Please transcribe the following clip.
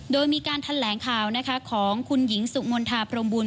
โดยมีการทันแหลงข่าวของคุณหญิงสุขมณฑาพรมบุญ